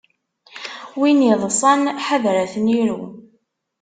Win iḍṣan, ḥadeṛ ad ten-iru.